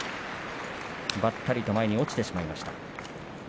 ばったりと前に落ちてしまいました。